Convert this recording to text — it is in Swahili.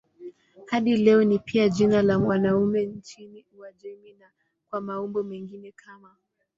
Hadi leo ni pia jina la wanaume nchini Uajemi na kwa maumbo mengine kama